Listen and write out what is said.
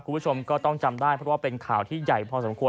คุณผู้ชมก็ต้องจำได้เพราะว่าเป็นข่าวที่ใหญ่พอสมควร